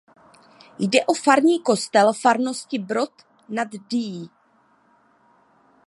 Jde o farní kostel farnosti Brod nad Dyjí.